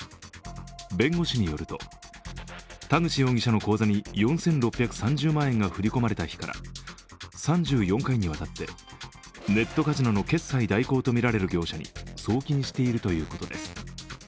弁護士によると、田口容疑者の口座に４６３０万円が振り込まれた日から３４回にわたってネットカジノの決済代行とみられる業者に送金しているということです。